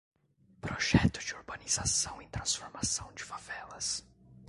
Projeto de urbanização e transformação de favelas